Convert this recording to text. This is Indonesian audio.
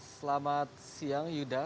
selamat siang yuda